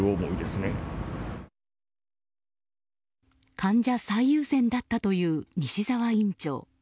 患者最優先だったという西沢院長。